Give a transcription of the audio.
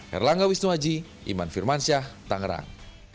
herlangga wisnuaji iman firmansyah tangerang